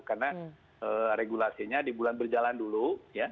karena regulasinya di bulan berjalan dulu ya